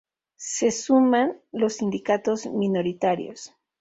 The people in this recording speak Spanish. Se suman los sindicatos minoritarios.